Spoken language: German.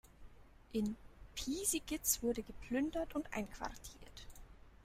In Piesigitz wurde geplündert und einquartiert.